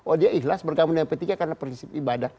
oh dia ikhlas bergabung dengan p tiga karena prinsip ibadah